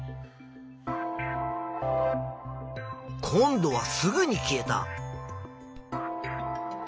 今度はすぐに消えた。